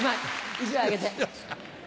１枚あげて。